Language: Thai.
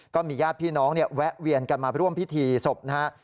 ก็มีญาติพี่น้องแวะเวียนกันมาร่วมพิธีศพนะฮะ